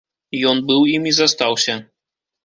Ён быў ім і застаўся.